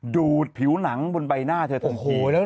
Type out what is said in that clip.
ดูดผิวหนังบนใบหน้าเธอทันที